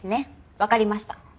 分かりました。